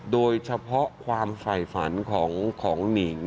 โดยเฉพาะความฝ่ายฝันของหนิง